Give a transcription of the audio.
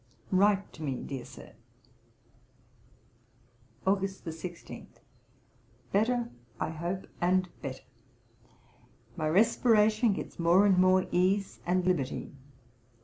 Write to me, dear Sir.' August 16. 'Better I hope, and better. My respiration gets more and more ease and liberty.